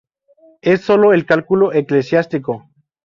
Es solo el "cálculo eclesiástico".